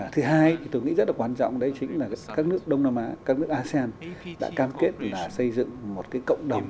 thứ hai tôi nghĩ rất là quan trọng đấy chính là các nước đông nam á các nước asean đã cam kết là xây dựng một cộng đồng